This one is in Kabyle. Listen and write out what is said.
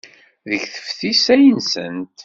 Deg teftist ay nsant.